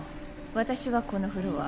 私はこのフロア。